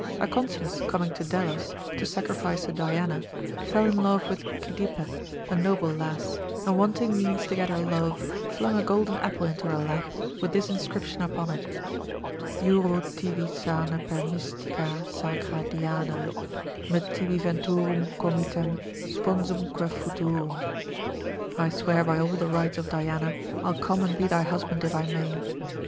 Acontius coming to Delos, to sacrifice to Diana, fell in love with Cydippe, a noble lass, and wanting means to get her love, flung a golden apple into her lap, with this inscription upon it, Juro tibi sane per mystica sacra Dianae, Me tibi venturum comitem, sponsumque futurum. I swear by all the rites of Diana, I'll come and be thy husband if I may.